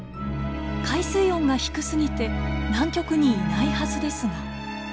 海水温が低すぎて南極にいないはずですが。